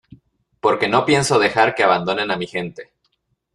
porque no pienso dejar que abandonen a mi gente.